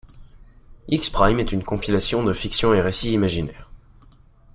Ixe' prime est une compilation de fiction et récits imaginaires.